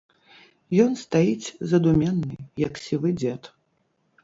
Ён стаіць задуменны, як сівы дзед.